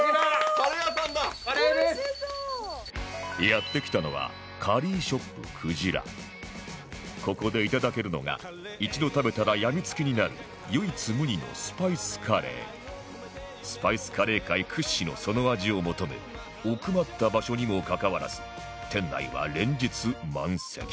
やって来たのはここでいただけるのが一度食べたらやみつきになる唯一無二のスパイスカレースパイスカレー界屈指のその味を求め奥まった場所にもかかわらず店内は連日満席